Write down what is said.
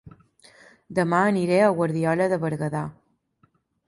Dema aniré a Guardiola de Berguedà